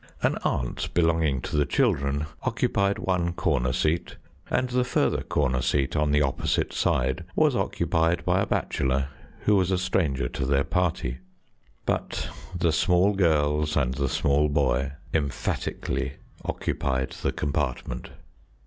An aunt belonging to the children occupied one corner seat, and the further corner seat on the opposite side was occupied by a bachelor who was a stranger to their party, but the small girls and the small boy emphatically occupied the compartment.